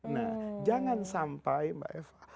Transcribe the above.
nah jangan sampai mbak eva